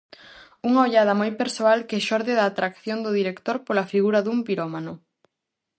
Unha ollada moi persoal que xorde da atracción do director pola figura dun pirómano.